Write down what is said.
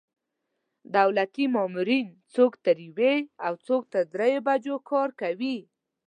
دولتي مامورین څوک تر یوې او څوک تر درېیو بجو کار کوي.